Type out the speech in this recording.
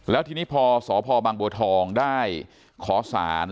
แล้วทีนี้พอสพบางบัวทองได้ขอสาร